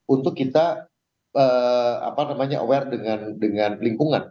untuk kita apa namanya aware dengan lingkungan